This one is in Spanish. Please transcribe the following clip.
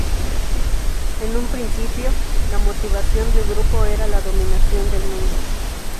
En un principio, la motivación del grupo era la dominación del mundo.